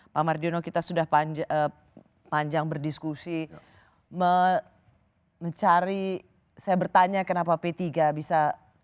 pak marjono kita sudah panjang berdiskusi mencari saya bertanya kenapa p tiga bisa